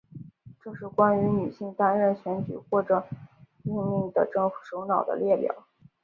这是关于女性担任选举或者任命的政府首脑的列表。